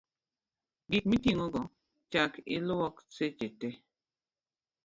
gik miting'ogo chak iluoko seche te